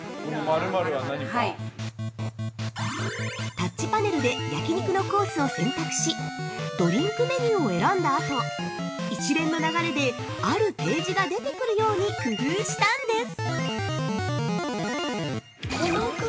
◆タッチパネルで焼き肉のコースを選択しドリンクメニューを選んだあと一連の流れであるページが出てくるように工夫したんです。